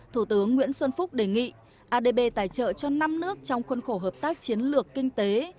thủ tướng nguyễn xuân phúc đề nghị adb tài trợ cho năm nước trong khuôn khổ hợp tác chiến lược kinh tế